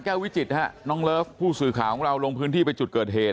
วิจิตฮะน้องเลิฟผู้สื่อข่าวของเราลงพื้นที่ไปจุดเกิดเหตุ